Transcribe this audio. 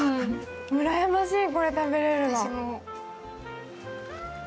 うらやましい、これ食べられるの。